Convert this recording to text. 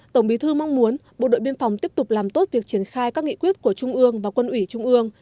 tổng bí thư mong muốn bộ đội biên phòng tiếp tục làm tốt việc triển khai các nghị quyết của trung ương và quân ủy trung ương